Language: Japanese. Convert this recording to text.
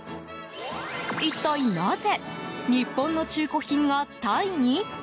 一体、なぜ日本の中古品がタイに？